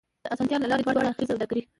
د اسانتيا له لارې دوه اړخیزه سوداګري